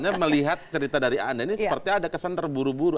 anda melihat cerita dari anda ini sepertinya ada kesan terburu buru